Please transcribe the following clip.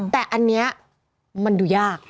แต่อันนี้มันดูยาก